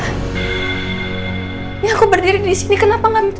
ini aku berdiri di sini kenapa gak bisa